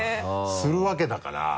するわけだからうん。